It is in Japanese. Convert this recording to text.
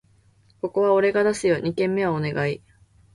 ここは俺出すよ！二軒目はお願い